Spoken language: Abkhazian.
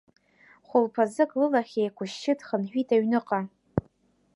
Хәылԥазык лылахь еиқәышьшьы дхынҳәит аҩныҟа.